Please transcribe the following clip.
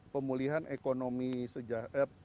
pemulihan ekonomi sejahtera